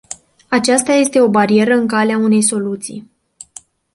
Aceasta este o barieră în calea unei soluții.